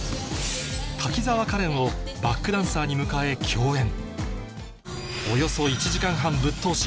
滝沢カレンをバックダンサーに迎え共演